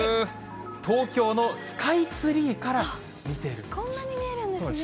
東京のスカイツリーから見てるんです。